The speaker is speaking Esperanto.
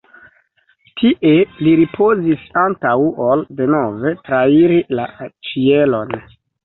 Tie li ripozis antaŭ ol denove trairi la ĉielon.